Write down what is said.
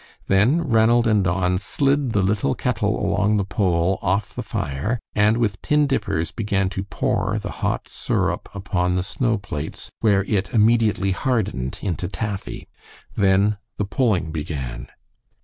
Then Ranald and Don slid the little kettle along the pole off the fire, and with tin dippers began to pour the hot syrup upon the snow plates, where it immediately hardened into taffy. Then the pulling began.